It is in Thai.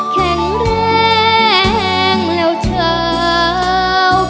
แข็งแรงแล้วเช้า